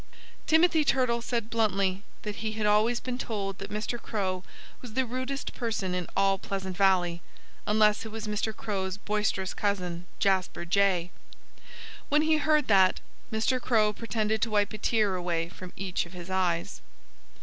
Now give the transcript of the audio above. Timothy Turtle said bluntly that he had always been told that Mr. Crow was the rudest person in all Pleasant Valley unless it was Mr. Crow's boisterous cousin, Jasper Jay. When he heard that, Mr. Crow pretended to wipe a tear away from each of his eyes.